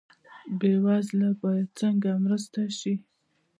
بې وزله باید څنګه مرسته شي؟